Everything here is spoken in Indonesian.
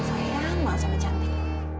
sayang lah sama cantik